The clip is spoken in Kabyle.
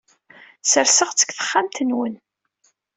Serseɣ-tt deg texxamt-nwen.